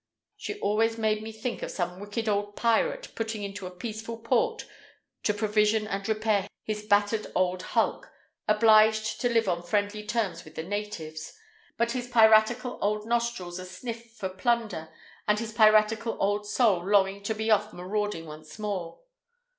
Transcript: She always made me think of some wicked old pirate putting into a peaceful port to provision and repair his battered old hulk, obliged to live on friendly terms with the natives, but his piratical old nostrils asniff for plunder and his piratical old soul longing to be off marauding once more.